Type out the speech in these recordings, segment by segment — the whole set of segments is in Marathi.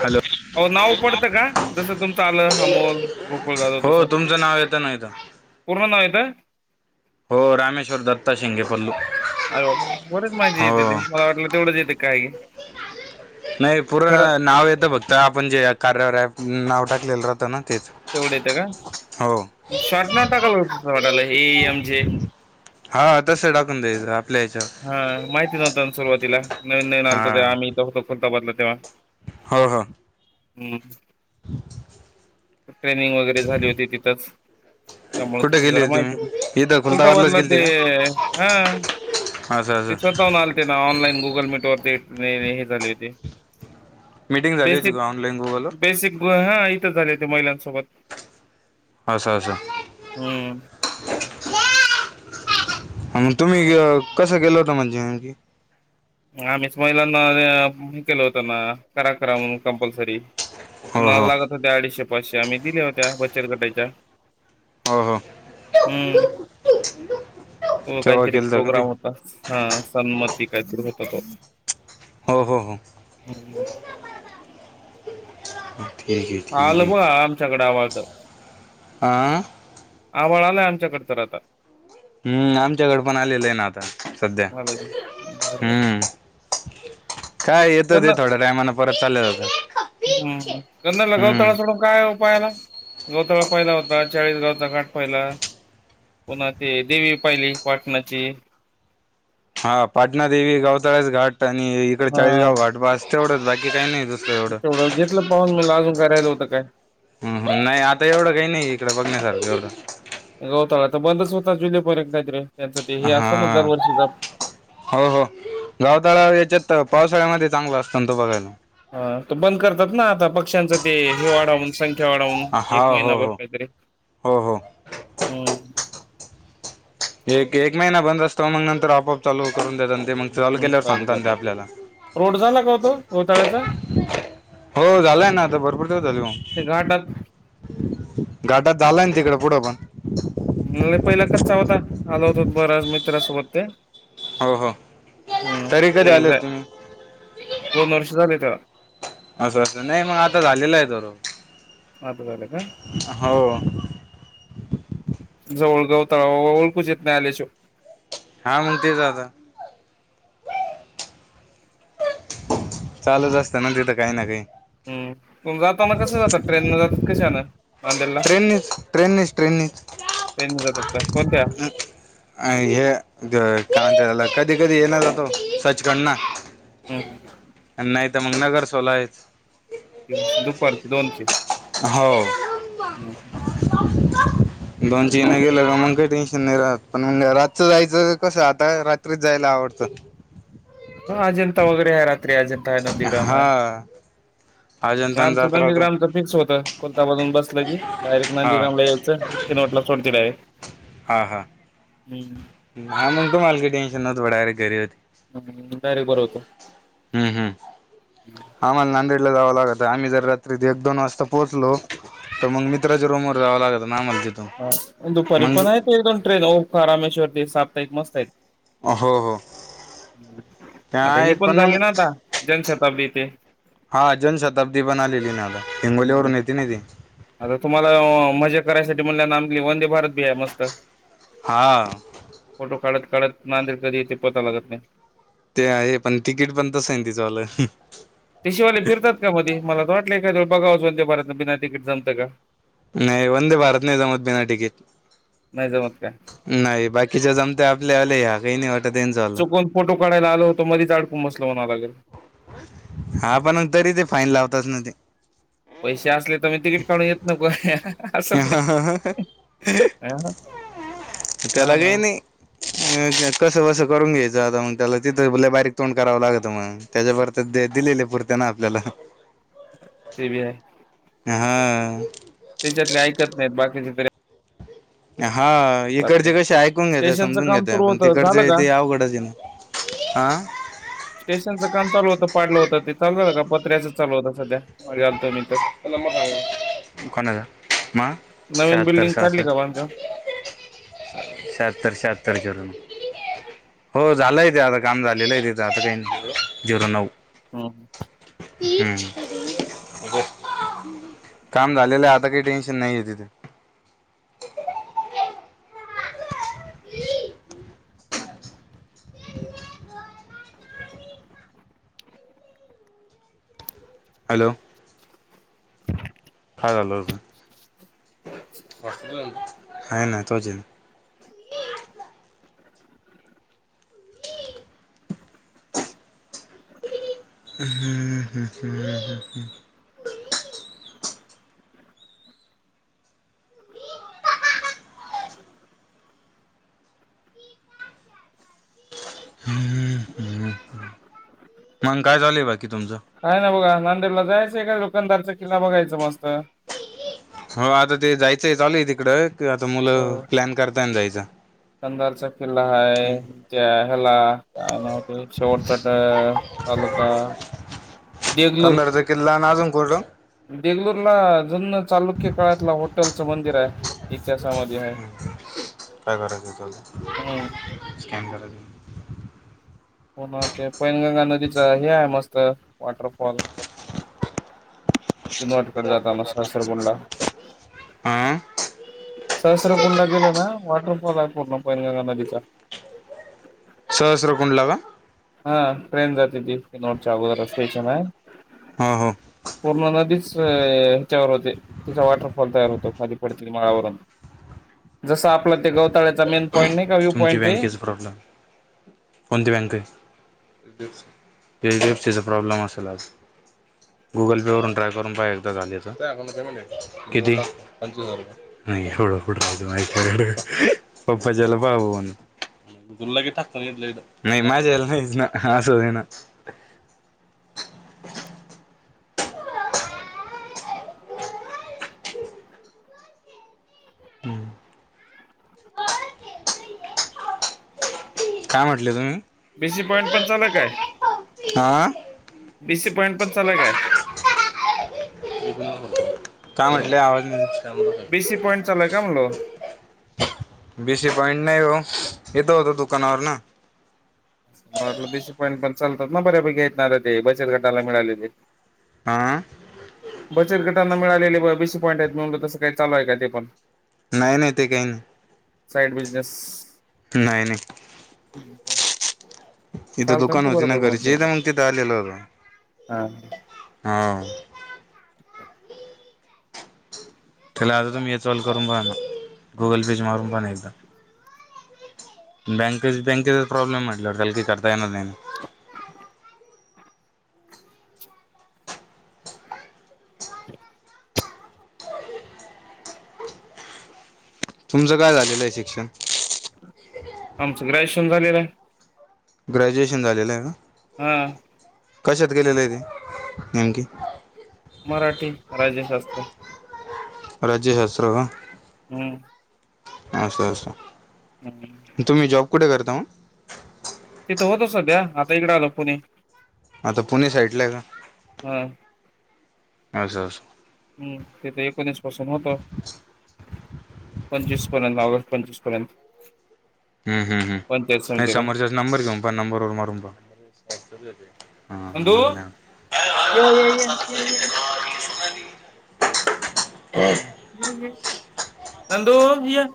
हॅलो हो नाव पडत का? जसं तुमचं आलं, अमोल गोकुळ जाधव हो तस तुमचं नाव येतं ना इथं पूर्ण नाव येत. ह [unintelligible] हो. रामेश्वर दत्ता शिंगपल्लू. [unintelligible] बरच माहिती देते ते मला वाटलं तेवढंच येते काय हे. नाही, पूर्ण नाव येतं फक्त आपण जे कार्यावर अँप नाव टाकलेल रा त ना! तेच तेवढं येतं का? हो शॉट न टाकाल का वाटायला ए एम जे. हा तसं टाकून द्यायचं आपल्या ह्याच्यावर हा. माहिती नव्हत ना सुरुवातीला नवीन नवीन आलतो तेव्हा हा आमी हित होतो खुर्दाबादला. तेवा.. हो ह. हूं. ट्रेनिंग वगैरे झाली होती तिथंच, त्यामुळे तिथ कुठे गेली जरा होती माहिती होत तुम्ही इथं खुलताबादलाच खुलताबादला गेलती ते का अ ह. असं ते असं स्वतःहून आलते ना, ऑनलाईन गुगल मीट वरती. नाही नाही, हे झाले होती. मीटिंग झाली होती बेसिक का ऑनलाईन गुगलवर बेसिक ब हाय. झाले ते महिलांसोबत. अच्छा! अच्छा! हम्म तुम्ही कसं केलं होत म्हणजे. आम्हीच महिलांना केलं होत ना करा करा म्हण कंपल्सरी. हो न हो लागत तेडीशे पाश्याम् दिल्या होत्या, बचत गटाच्या हो हो हम्म तेव्हा काहीतरी केलता का ते प्रोग्राम होता. हा सन्मती का होत. हो हो हो. हम्म ठीक आहे ठीक आलं ब आमच्याकडे आवा त. आं आभाळ आलाय आमच्याकड तर आता. हम्म आमच्याकड पण आलेलं आहे ना आता. सध्या ब [unintelligible] हम्म काय येतं ते त्यांना थोड्या टायमानं परत चाललं जातं हम्म त्यांना हम्म लगवता सोडून काय उपायाला. गवतळा पाहिला होता चाळीस गावचा काठ पाहिला पुन्हा ते देवी पाहिली पाटणाची. हा पाटणा देवी गावतळास घाट. आणि इकडे हा चाळीसगाव घट पास तेवढंच बाकी काही नाही. दुसरं तेवढं जेथलं पाहन [unintelligible] मला अजून करायला होतं. काय. नाही आता एवढं काही नाही इकडं बघण्यासारखं एवढं. गहोताळ बंदच होता जुलै पर्यत काही तरी हा हो हो गावतळा याच्यात पाऊस. [unintelligible] मध्ये चांगल असतं तो बघायला. ह तो बंद करतात ना आता पक्ष्यांच ते हिवाळा हून संख डून [unintelligible] हा एक महिना हो भर हो कायत रे हो हो ह. एक एक महिना बंद असतो मग नंतर आपोआप चालू करून. मग [unintelligible] चाल हम् केल्यावर चालू सांगतन ते करतात आपल्याला रोड झाला का होतो गवताळ्याचा हो झालंय ना आता भरपूर झाल हो. ते घाटात घाटात झालाय ना तिकड पुढे पण. म्ह [unintelligible] पहिला कच्या होता आला होत हो बरच मित्रासोबत ते. हो हो हम्म तरी [unintelligible] कधी आले ते होते तुम्ही दोन वर्ष झाले त्याला. असं असं नाही मग आता झालेलं आहे तो र आता झाले का हाव. जवळ गवताळो ओ ओळखुच येत नाही आल्या शिवाय हा म्हनते ते ददा. चालूच असत ना तिथं काही ना काही. हम् मग जाताना कसं जातात ट्रेन न जाता. कशान? ट्रेननीस ट्रेननीस ट्रेननीच ट्रेन न जातात का कोणत्या आ हे [unintelligible] काला च कधी कधी येणार जातो सचखंड ना, हम्म ह. ते मं गनगर सोला हेत. हम्म दुपारची दोनची हो. दोन [unintelligible] िन गेल्या का मग काही टेन्शन नाही राहत. पण मग [unintelligible] काय रातच जायच. कसंय आता रात्रीच जायला आवडतं. [inaudible] नंदीग्राम हाय हा अजंतान आमचं जात राहतो नंदीग्रामचं फिक्स होतं कोलतामधून बसलं की डायरेक्ट हा नंदीग्रामला यायचं कि [inaudible] सोडती डाय [inaudible] हा हा हम्म हा म्हणतो मला लय टेन्शन म्हणती मी डायरेक्ट घरी ये हम्म डायरेक्ट बरं होतं. हम्म हम्म आम्हाला नांदेडला जावा लागतंय आम्ही जर रात्री एक दोन वाजता पोहचलो तर मग मित्राच्या रूमवर जावं लाग हा दुपारी पण हायत एक दोन ट्रेना [inaudible] रामेश्वर ते सप ते एक मस्त आहे. हो हो ते आता ही आहेत पण झाली मंग ना आता जनशताब्दी ते हा जनशताब्दी पण आलेली ना आता हिंगोलीवरून येत ना ती. आता तुम्हाला अ मजा करायसाठी म्हणलंना आपली वंदे भारत ती आहे मस्त हा फोटो काढ काढत नांदेड कधी येते पता लागत नाही. ते आहे पण तिकीट पण तसं आहे तिचवालं ते शिवाले फिरतात का मधी मला तर वाटलं एखादं वेळा बघावं डदे भारत न बिना तिकीटचं [inaudible] नाही वंदे भारत नाही जमत बिना टिकीट नाही जमत का? नाही बाकीच्या जमत आपले लय हा [inaudible] चुकून फोटो काढायला आलो होतो मधीच अडकून बसलो म्हणावं लागल हा. हा! पण तरी ते फाईन लावतच ना ते पैसे असले, तर मी तिकीट काढून येत नको [inaudible] असं नाही हा हा त्याला ना काय नाही. कसं बसं करून घ्यायचं. आता मग त्याला तिथं लय बारीक तोंड करावं लागतं, मग त्याच्याब तर दिलेले पुरते ना आपल्याला. ते बी हाय. ह. त्याच्यातले ऐकत नाहीत. बाकीचे तरी [unintelligible] हा ऐकतात आपले इकडचे कसे ऐकून घेतय, स्टेशनचं समजून काम घेतय, सुरू पण होतं झालं तिकडचे का? ते अवघडच ए ना आ स्टेशनचं काम चालू होतं पाडलं होतं ते चालू झालं का पत्र्याचंच चालु होतं सध्या. मी तर. तु नंबर सांग, कोणाचा मा नवीन शाहतर बिल्डिंग काढली शासठ का बांधकाम? शहात्तर शहात्तर झिरो नऊ. हो झालंय ते आता काम झालेलं आहे. ते आता काही झिरो नऊ हा. हम. काम झालेलं, आता काही टेन्शन नाही आहे तिथे. ही. हॅलो! काय झालं होतं. नाही नाही तोच ये हम्म हम् हम ह ह मग काय झालं बाकी? तुमचं? काय ना बघा नांदेडला जाय एका दुकानदारचा किल्ला बघायचं मस्त हो आता ते जायचंय, चालूय तिकड ते आता मुलं प्लॅन कर उतन जायचा. अंधारचं किल्ला हाय त्या ह्याला. काय नाव त्याच? शेवटचा तालुका देगलूर. गोड देंगलोर ला जुन चालुक्य काळातला होॉटेल च मंदिर हाय. इतिहासामध्ये हाय. काय कराच चालंय? स्कॅन कराच. पुन्हा ते पैनगंगा नदीचं हे आहे, मस्त वॉटरफॉल. किनवटकडे जाताना सहस्रकुंडला अम. सहस्र कुंडा गेल ना वाट पूर्ण पैलगंगा नदीचा. सहस्र कुंडला का? हा ट्रेन जात ती दिव नोडचगोदर स्टेशन हाय. हो हो पूर्ण नदीच ह्याच्यावर होते. तिचा वॉटरफॉल तयार होतो खाली पडते माळावरून जसं आपलं ते गवत तळ्याचा मेन पॉईंट नाही का व्ह्यू तुमची पॉईंट ते बँकेचा प्रॉब्लेम पेडीएफसीचा प्रॉब्लेम असेल आज. गुगल पे वरुन ट्राय करून पहा एकदा झालेच त्याकडुुन पेमेंट आहे. किती पंचवीस हजार रुपये. नाही एवढं नाही पप्पाच्याला भाव म्हन तुला लगेच टाकतो इथल्या इथं. नाही का घेत नाही माझ्याला नाहीच ना असं दे ना. हम्म! काय म्हटले तु्म्ही? बीसी पॉइंट पण चालल काय? आ? बीसी पॉइंट पण चालूय काय? काय म्हटलंय? आवाज येना सर बीसी पॉईंट चालक का म्हणलो बीसी पॉइंट नाही ओ येत होत दुकानावर ना. मला वाटलं बेसी पॉईंट पण चालतात ना बऱ्यापैकी आहेतणार ते बचत गाटाला मिळालेले. आ बचत गटांना मिळालेले ब अ बीशी पॉईंट आहेत म्हणून तसं काही चालू आहे का ते पण नाही नाही ते काही नाही साईड बिझनेस नाही नाही. हम् ह तिथं दुकान होती ना घरची तर मग तिथं आलेलो हा हा त्याला आता तुम्ही यचवाल करून बघाना गुगल पे मारून पा नाहीतर, बँके बँकेचा प्रॉब्लेम म्हटल्यावर हेल्डी करता येणार नाही ना? [inaudible] [inaudible] तुमचं काय झालेलं आहे शिक्षण? शिक्षण झाालेला आहे. ग्रॅज्युएशन झालेलं आहे का? हम्म कशात केलेलं आहे ते नेमकीे? मराठी राज्यशास्त्र राज्यशास्त्र का? हम् अस अस हम्म कुठे करता ओ तिथं होत सध्या आता इकडे आलो पुणे. आता पुणे साइडला आहे का? हा अस अस हम्म तेथ एकोणीस पासून होत पंचवीस पर्यंत लागत पचवीस पर्यंत हम्म हम् हम् पंचायत नाही समितीला समोरच्याच नंबर घेऊन पा नंबर वर मारून पा [unintelligible] नंदू या या य य य हम नंदू य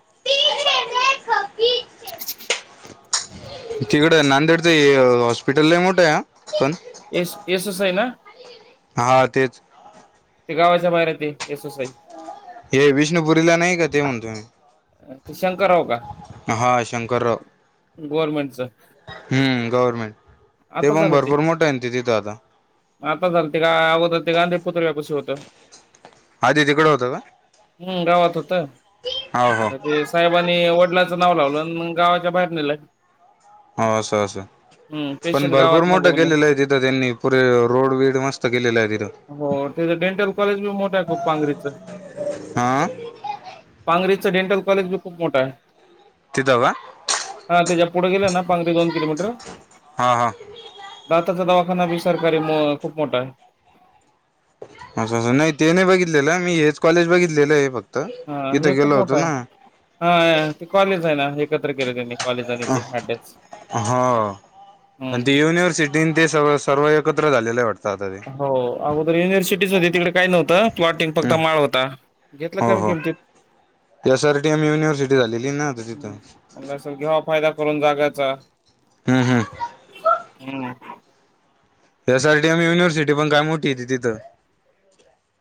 [unintelligible] [inaudible] तिकड नांदेडच हॉस्पिटल लय मोठ ये हा पण येस एसोसआय ना हा तेच ते गावाच्या बाहेर ते यसोसई हे विष्णुपुरीला नाही का ते म्हणतो मी. ते शंकर राव का हा शंकरराव गवर्मेंटच गवर्मेंट ते पण भरपूर मोठं आहे ते तिथं आता आता झाल ते का अगोदर ते गांधी पुतळ्या पाशी होतं - आधी तिकडं होतं हम्म गावात होत का हो हो आता ते साहेबांनी वडला- नाव लावलं गावाच्या बाहेर नेलं- होा असं असं हम्म पण पेशंट भरपूर गावात मोठा नको म्हणून केलेला आहे तिथं त्यांनी पुरे- रोड बीड मस्त केलेलं आहे तिथं हो ते डेंटल कॉलेज बी मोठ आहे खूप पांगरीच हा पांगरी- डेंटल कॉलेज बी खूप मोठा आहे- तिथं का हा त्याच्या पुढे गेले ना पांघरीे दोन किलोमीटर हा हा दाताचा दवा- विचार- गाडी खूप मोठा आहे- असं असं नाही ते नाही बघितलेलं आहे मी हेच कॉलेज बघितलेलं आहे फक्त- हा हे इथं खूप गेलो होतो मोठं आहे ना हा ते कॉलेज आहे ना- एकत्र केले त्यांनी- कॉलेज आणि ते अटॅच अ हो आणि हम्म ते युनिव्हर्सिटी ते स- सर्व एकत्र झालेलं वाटतं- आता हो अगोदर युनिव्हर्सिटी होती तिकडे काही नव्हत प्लॉटिंग फक्त ते माळ होता. घेतलं हो कमी हो किमतीत S R T M university झालेली ना आता तिथं. म्हणलं असेल घ्यावा फायदा करून जागायचा- हम् हम् हम्. यासाठी आम्ही युनिव्हर्सिटी पण काय मोठी हो त तिथं-